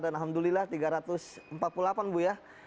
dan alhamdulillah tiga ratus empat puluh delapan bu ya